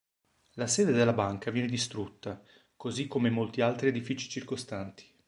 La sede della banca viene distrutta, così come molti altri edifici circostanti.